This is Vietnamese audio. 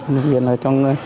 đặc biệt là trong